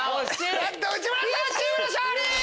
内村さんチームの勝利！